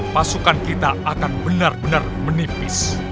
pasukan kita akan benar benar menipis